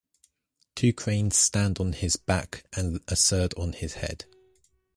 Two cranes stand on his back and a third on his head.